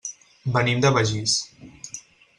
Venim de Begís.